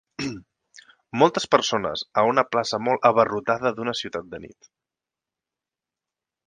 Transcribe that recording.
Moltes persones a una plaça molt abarrotada d'una ciutat de nit.